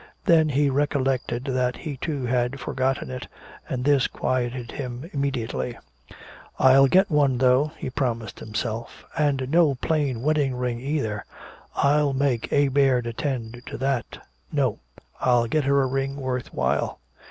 Then he recollected that he, too, had forgotten it. And this quieted him immediately. "I'll get one, though," he promised himself. "And no plain wedding ring either. I'll make A. Baird attend to that. No, I'll get her a ring worth while."